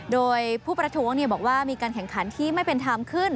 โดยผู้ประท้วงบอกว่ามีการแข่งขันที่ไม่เป็นธรรมขึ้น